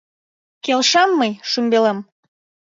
Келшем мый, шӱмбелем!